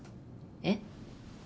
えっ？